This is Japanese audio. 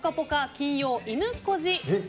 金曜いぬこじ